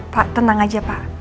pak tenang aja pak